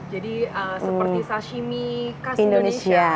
jadi seperti sashimi khas indonesia